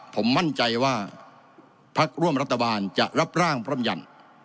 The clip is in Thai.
ผมมั่นใจว่าพักร่วมรัฐบาลจะรับร่างพร่ำยัน